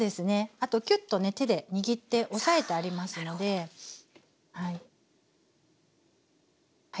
あとキュッとね手で握って押さえてありますのではい。